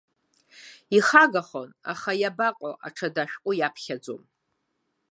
Ихагахон, аха иабаҟоу, аҽада шәҟәы иаԥхьаӡом.